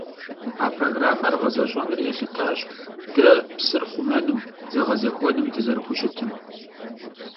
A programmer ğezeş'enır yêlhıtaş de psır xhumenım, zeğezexuenım dızerıxuşıtım.